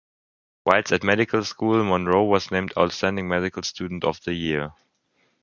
Whilst at medical school Monroe was named Outstanding Medical Student of the Year.